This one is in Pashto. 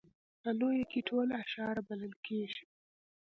په لویه کې ټول اشاعره بلل کېږي.